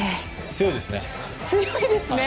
強いですね。